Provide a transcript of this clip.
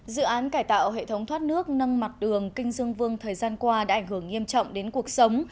dự án cải tạo hệ thống thoát nước nâng mặt đường kinh dương vương thời gian qua đã ảnh hưởng nghiêm trọng đến cuộc sống